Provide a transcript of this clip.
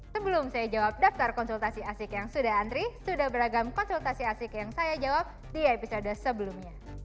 sebelum saya jawab daftar konsultasi asik yang sudah antri sudah beragam konsultasi asik yang saya jawab di episode sebelumnya